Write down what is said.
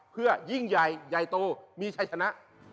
เพื่อยิ่งใหญ่ใหญ่โตมีชัยชนะ